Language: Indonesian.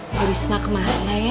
burisma kemana ya